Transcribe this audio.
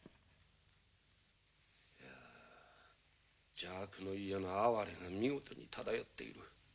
邪悪のゆえの哀れが見事に漂っている。